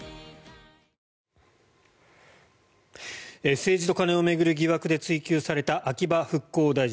政治と金を巡る疑惑で追及された秋葉復興大臣